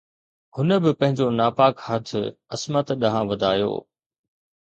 هن به پنهنجو ناپاڪ هٿ عصمت ڏانهن وڌايو